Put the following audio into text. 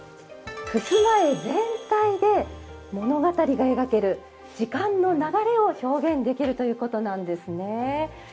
襖絵全体で物語が描ける時間の流れを表現できるということなんですね。